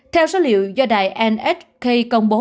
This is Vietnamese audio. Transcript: theo số liệu do đài nsk công bố